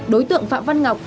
đối tượng phạm văn ngọc